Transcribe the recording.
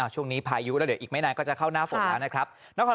พายุแล้วเดี๋ยวอีกไม่นานก็จะเข้าหน้าฝนแล้วนะครับ